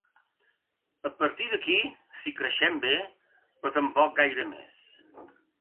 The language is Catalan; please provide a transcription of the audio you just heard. A partir d’aquí si creixem bé, però tampoc gaire més.